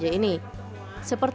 seperti di lantai